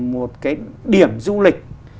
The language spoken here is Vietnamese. một cái điểm du lịch